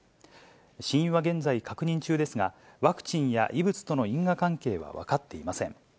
死因は現在、確認中ですが、ワクチンや異物との因果関係は分かっていません。